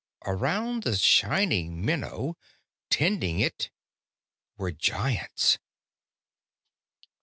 ... Around the shining minnow, tending it, were Giants.